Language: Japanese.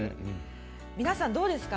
皆さんどうですか？